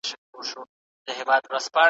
دښمن ته د بیا حملې چانس مه ورکوه.